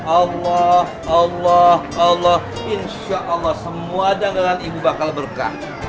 allah allah allah insya allah semua janggalan ibu bakal berkah